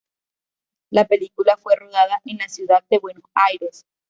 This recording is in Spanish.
La película fue rodada en la ciudad de Buenos Aires.